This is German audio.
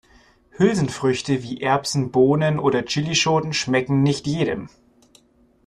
Hülsenfrüchte wie Erbsen, Bohnen oder Chillischoten schmecken nicht jedem.